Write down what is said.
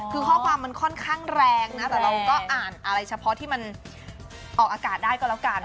คือข้อความมันค่อนข้างแรงนะแต่เราก็อ่านอะไรเฉพาะที่มันออกอากาศได้ก็แล้วกัน